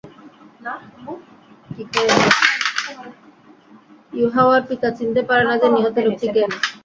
ইউহাওয়ার পিতা চিনতে পারে না যে, নিহত লোকটি কে?